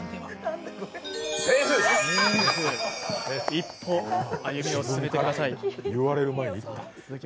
一歩、歩みを進めてください。